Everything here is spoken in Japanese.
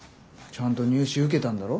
ちゃんと入試受けたんだろ。